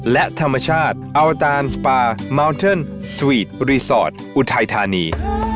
และธรรมชาติอวทาลสปาร์มัลเทิลซวีทรีสอร์ตอุทัยธานี